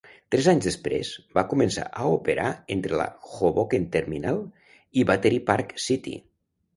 Tres anys després, va començar a operar entre la Hoboken Terminal i Battery Park City.